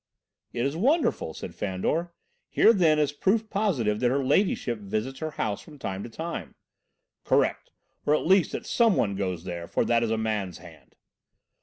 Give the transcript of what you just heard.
"It is wonderful," said Fandor. "Here, then, is proof positive that her Ladyship visits her house from time to time." "Correct or at least that some one goes there, for that is a man's hand."